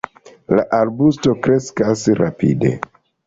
La arbusto kreskas rapide.